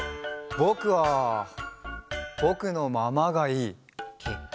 ぼくはぼくのままがいい。